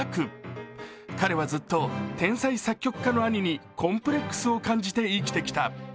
彼はずっと天才作曲家の兄にコンプレックスを感じて生きてきた。